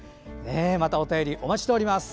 またお便り、お待ちしております。